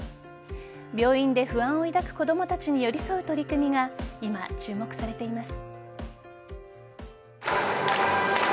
病院で不安を抱く子供たちに寄り添う取り組みが今、注目されています。